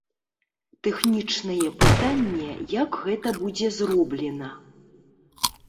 Тэхнічнае пытанне, як гэта будзе зроблена.